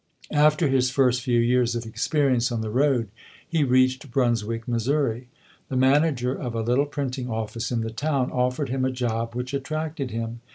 After his first few years of experience on the road, he reached Brunswick, Missouri. The man ager of a little printing office in the town offered him a job which attracted him.